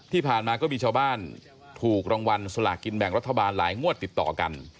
ที่ผ่านมาก็มีชาวบ้านถูกรางวัลสลากินแบ่งรัฐบาลหลายงวดติดต่อกัน